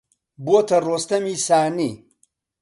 بۆتە ڕۆستەمی سانی